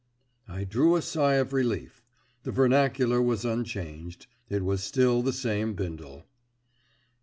I drew a sigh of relief. The vernacular was unchanged; it was still the same Bindle.